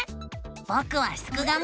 ぼくはすくがミ。